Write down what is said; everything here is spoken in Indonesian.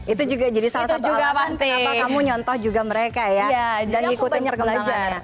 itu juga jadi salah satu kamu nyontoh juga mereka ya dan ikutin perkembangan